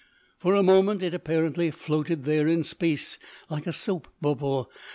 For a moment it apparently floated there in space like a soap bubble.